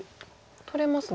取れますね。